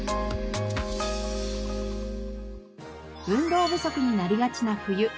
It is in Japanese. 運動不足になりがちな冬。